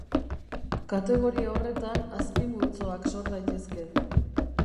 Kategoria horretan azpimultzoak sor daitezke.